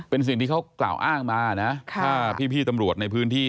เป็นสิ่งที่เขากล่าวอ้างมานะถ้าพี่ตำรวจในพื้นที่